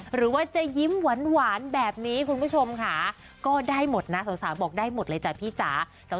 หรือว่าจะยิ้มหวานแบบนี้คุณผู้ชมค่ะก็ได้หมดนะสาวบอกได้หมดเลยจ้ะพี่จ๋า